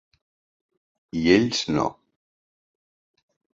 i ells no.